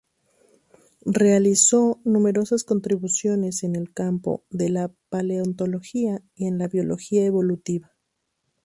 Realizó numerosas contribuciones en el campo de la paleontología y a la biología evolutiva.